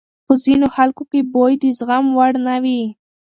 په ځینو خلکو کې بوی د زغم وړ نه وي.